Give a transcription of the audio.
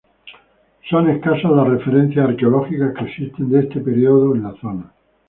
Son escasas las referencias arqueológicas que existen de este período en la zona.